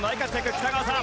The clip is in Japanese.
北川さん。